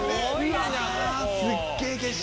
すっげぇ景色。